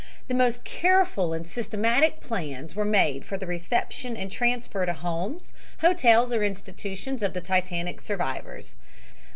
The most careful and systematic plans were made for the reception and transfer to homes, hotels or institutions of the Titanic's survivors.